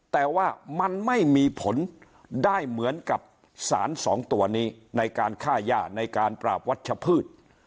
แต่ว่ามันไม่มีผลได้เหมือนกับสารสองตัวนี้ในการฆ่าย่าในการปราบวัชพืช